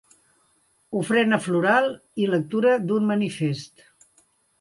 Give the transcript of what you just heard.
Ofrena floral i lectura d'un manifest.